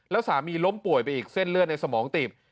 แล้วสามีล้มป่วยไปอีกเส้นเลือดในสมองตีบ